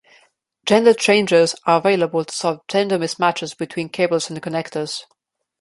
"Gender changers" are available to solve gender mismatches between cables and connectors.